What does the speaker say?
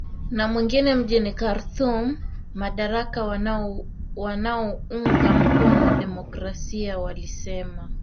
na mwingine mjini Khartoum, madaktari wanaounga mkono demokrasia walisema